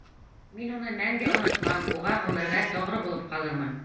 Мин уны мәңге онотмам, уға ғүмергә тоғро булып ҡалырмын...